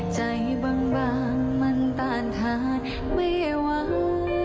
ใจบางมันต้านทานไม่หวัง